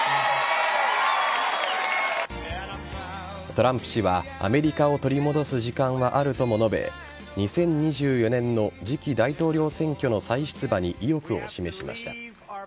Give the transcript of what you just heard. トランプ氏はアメリカを取り戻す時間はあるとも述べ２０２４年の次期大統領選挙の再出馬に意欲を示しました。